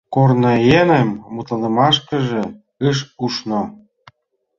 Корныеҥын мутланымашкыже ыш ушно.